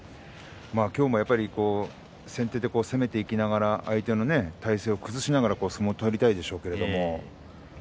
今日も、やっぱり先手で攻めていきながら相手の体勢を崩しながら相撲を取りたいでしょうけれど。